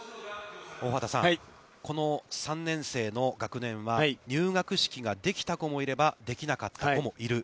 大畑さん、この３年生の学年は入学式ができた子もいれば、できなかった子もいる。